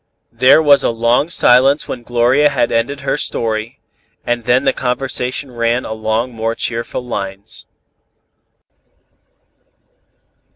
There was a long silence when Gloria had ended her story, and then the conversation ran along more cheerful lines.